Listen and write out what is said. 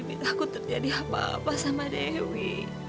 ini takut terjadi apa apa sama dewi